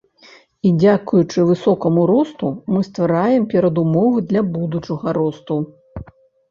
І дзякуючы высокаму росту мы ствараем перадумовы для будучага росту.